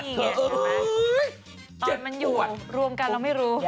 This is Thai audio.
๑๒๓๑๐๐บาทเถอะเฮ้ย